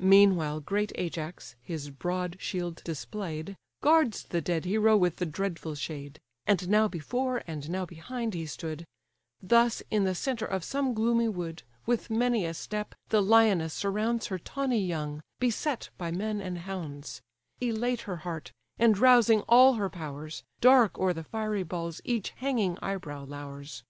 Meanwhile great Ajax (his broad shield display'd) Guards the dead hero with the dreadful shade; And now before, and now behind he stood: Thus in the centre of some gloomy wood, With many a step, the lioness surrounds Her tawny young, beset by men and hounds; Elate her heart, and rousing all her powers, Dark o'er the fiery balls each hanging eyebrow lours.